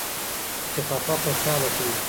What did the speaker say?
چې خپه خوشحاله کړو.